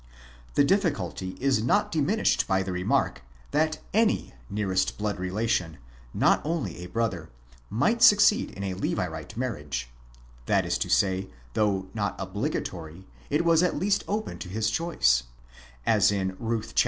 The difficulty is not diminished by the remark, that any nearest blood relation, not only a brother, might succeed in a Levirate marriage,—that is to say, though not obligatory, it was at least open to his choice (Ruth iii.